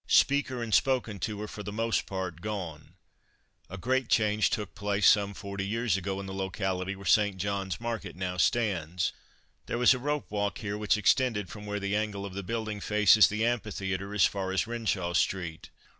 Speaker and spoken to are for the most part gone. A great change took place some forty years ago in the locality where St. John's Market now stands. There was a ropewalk here which extended from where the angle of the building faces the Amphitheatre, as far as Renshaw street.